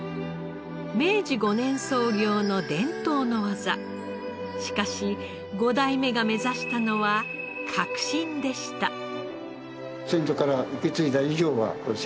明治５年創業の伝統の技しかし５代目が目指したのは革新でした。